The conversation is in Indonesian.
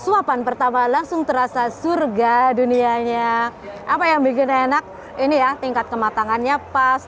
suapan pertama langsung terasa surga dunianya apa yang bikin enak ini ya tingkat kematangannya pas